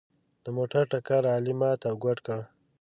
د موټر ټکر علي مات او ګوډ کړ.